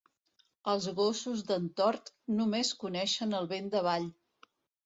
Els gossos d'en Tort només coneixen el vent d'avall.